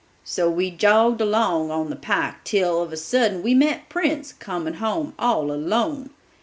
So we jogged along on the pike till of a sudden we met Prince coming home all alone!